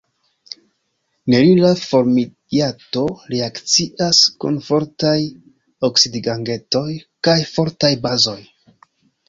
Nerila formiato reakcias kun fortaj oksidigagentoj kaj fortaj bazoj.